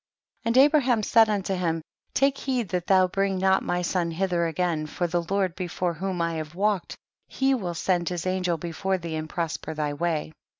And Abraham said unto him, take heed that thou bring not my son hither again, for the Lord before whom I have walked he will send his angel before thee and prosper thy way.